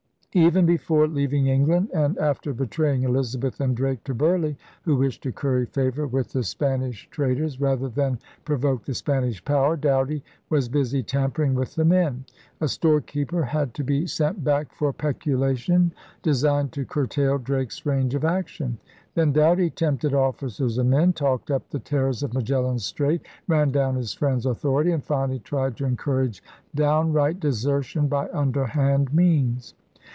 Even before leaving England, and after betraying Elizabeth and Drake to Burleigh, who wished to curry favor with the Spanish traders rather than provoke the Spanish power, Doughty was busy tampering with the men. A storekeeper had to be sent back for peculation designed to curtail Drake's range of action. Then Doughty tempted officers and men: talked up the terrors of Magellan's Strait, ran down his friend's authority, and finally tried to encourage down right desertion by underhand means.